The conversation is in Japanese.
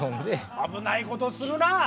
危ないことするな。